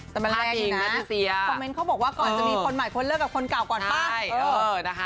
แต่มันแปลกดีนะคอมเมนต์เขาบอกว่าก่อนจะมีคนใหม่คนเลิกกับคนเก่าก่อนป่ะ